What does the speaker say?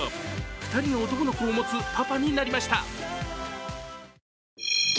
２人の男の子を持つパパになりました。